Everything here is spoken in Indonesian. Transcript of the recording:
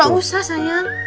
gak usah sayang